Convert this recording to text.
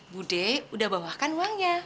budi udah bawahkan uangnya